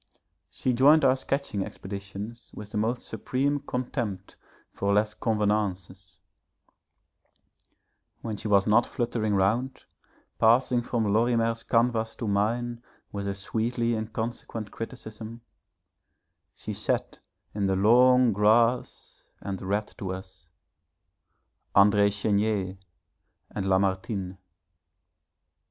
She joined our sketching expeditions with the most supreme contempt for les convenances; when she was not fluttering round, passing from Lorimer's canvas to mine with her sweetly inconsequent criticism, she sat in the long grass and read to us André Chénier and Lamartine.